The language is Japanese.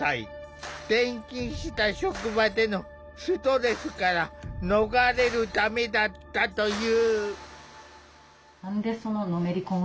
転勤した職場でのストレスから逃れるためだったという。